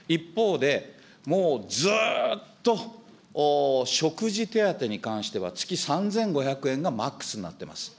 一方で、もうずっと食事手当に関しては月３５００円がマックスになっています。